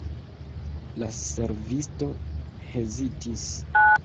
La servisto hezitis.